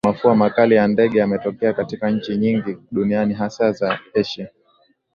Hadi sasa mafua makali ya ndege yametokea katika nchi nyingi duniani hasa za Asia